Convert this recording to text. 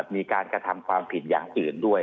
มีการกระทำความผิดอย่างอื่นด้วย